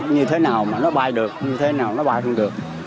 như thế nào mà nó bay được như thế nào nó bay không được